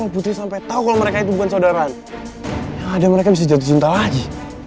putri sampai tahu kalau mereka itu bukan saudara ada mereka bisa jatuh cinta lagi